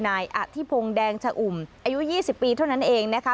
นายอธิพงศ์แดงชะอุ่มอายุ๒๐ปีเท่านั้นเองนะคะ